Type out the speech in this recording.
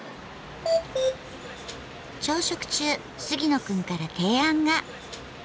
朝食中杉野くんから提案が。